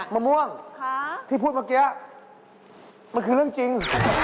มะม่วงที่พูดเมื่อกี้มันคือเรื่องจริง